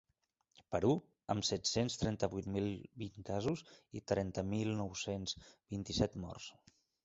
Perú, amb set-cents trenta-vuit mil vint casos i trenta mil nou-cents vint-i-set morts.